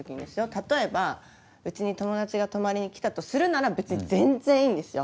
例えば家に友達が泊まりに来たとするなら別に全然いいんですよ。